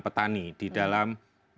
petani di dalam